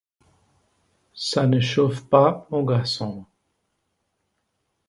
Ça ne chauffe pas, mon garçon.